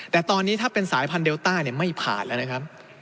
แต่ตอนนี้ถ้าเป็นสายพันธเลต้าไม่ผ่านแล้วนะครับ